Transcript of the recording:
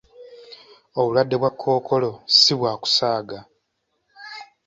Obulwadde bwa kkookolo si bwa kusaaga.